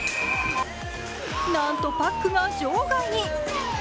なんとパックが場外に。